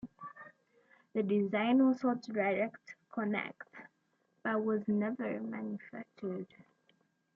The design was sold to Direct Connect, but was never manufactured.